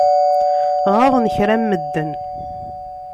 Ɣaḍen kra n medden.